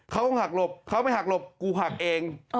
เขาต้องหักหลบเขาไม่หักหลบกูหักเอง